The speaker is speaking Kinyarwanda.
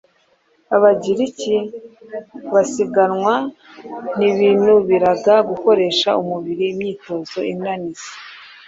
abagiriki basiganwaga ntibinubiraga gukoresha umubiri imyitozo inaniza